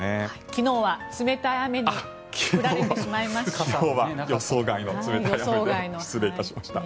昨日は冷たい雨に降られてしまいました。